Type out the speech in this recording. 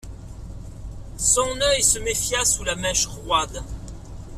Son œil se méfia sous la mèche roide.